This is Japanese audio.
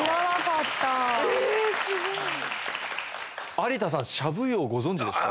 有田さんしゃぶ葉ご存じでした？